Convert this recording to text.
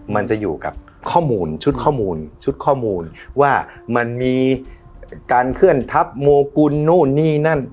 มันจะอยู่กับข้อมูลชุดข้อมูลชุดข้อมูลว่ามันมีการเคลื่อนทัพโมกุลนู่นนี่นั่น